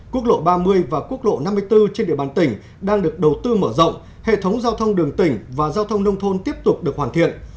quốc lộ ba mươi và quốc lộ năm mươi bốn trên địa bàn tỉnh đang được đầu tư mở rộng hệ thống giao thông đường tỉnh và giao thông nông thôn tiếp tục được hoàn thiện